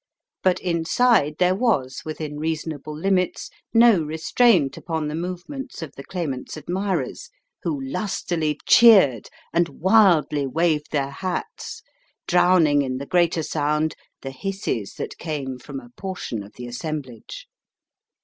But inside there was, within reasonable limits, no restraint upon the movements of the Claimant's admirers, who lustily cheered, and wildly waved their hats, drowning in the greater sound the hisses that came from a portion of the assemblage.